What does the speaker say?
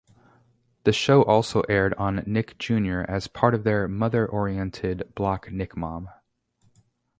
The show also aired on Nick Junior as part of their mother-oriented block NickMom.